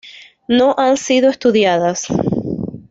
No han sido estudiadas.